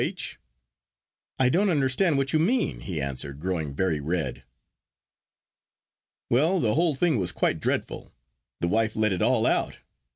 H.?" "I don't understand what you mean," he answered, growing very red. Well, the whole thing was quite dreadful. The wife let it all out.